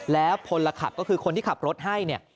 แล้วพลขับก็คือคนที่ขับรถให้เนี่ย